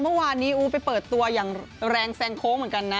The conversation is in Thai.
เมื่อวานนี้อู๋ไปเปิดตัวอย่างแรงแซงโค้งเหมือนกันนะ